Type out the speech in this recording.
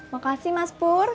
makasih mas pur